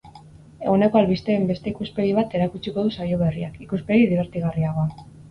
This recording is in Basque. Eguneko albisteen beste ikuspegi bat erakutsiko du saio berriak, ikuspegi dibertigarriagoa.